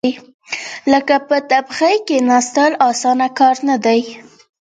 لکه په تبخي کېناستل، اسانه کار نه دی.